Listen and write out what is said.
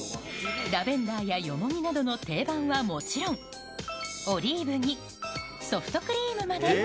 ラベンダーやヨモギなどの定番はもちろん、オリーブにソフトクリームまで。